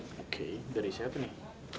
oke dari siapa nih